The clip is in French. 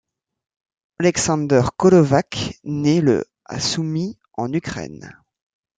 Oleksandr Golovash naît le à Soumy en Ukraine.